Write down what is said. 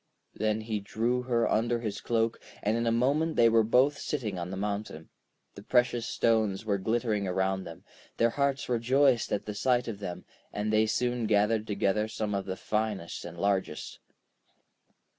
Then he drew her under his cloak, and in a moment they were both sitting on the mountain. The precious stones were glittering around them; their hearts rejoiced at the sight of them, and they soon gathered together some of the finest and largest.